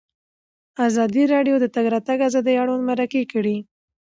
ازادي راډیو د د تګ راتګ ازادي اړوند مرکې کړي.